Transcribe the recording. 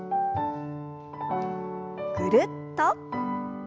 ぐるっと。